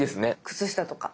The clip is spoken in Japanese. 靴下とか。